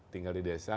tinggal di desa